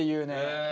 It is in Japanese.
へえ！